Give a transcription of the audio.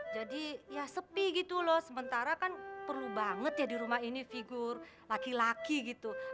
jadi ya sepi gitu lho sementara kan perlu banget ya di rumah ini figur laki laki gitu